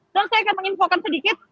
dan saya akan menginfokan sedikit